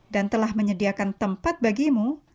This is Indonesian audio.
dan telah menyediakan tempat bagimu